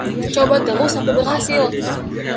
coba terus sampai berhasil